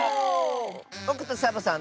ぼくとサボさん